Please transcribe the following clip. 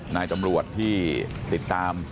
นายตำรวจที่ติดตาม